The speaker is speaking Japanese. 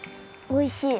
おいしい。